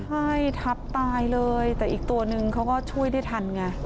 ใช่ทับตายเลยแต่อีกตัวนึงเขาก็ช่วยได้ทันไง